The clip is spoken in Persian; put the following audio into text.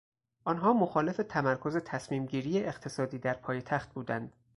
آنها مخالف تمرکز تصمیم گیری اقتصادی در پایتخت بودند.